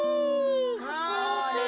あれ？